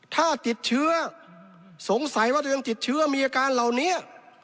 ถ้าติดเชื้อสงสัยว่าเรื่องติดเชื้อมีอาการเหล่านี้